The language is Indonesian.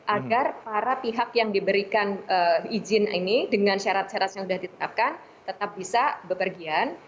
agar para pihak yang diberikan izin ini dengan syarat syarat yang sudah ditetapkan tetap bisa bepergian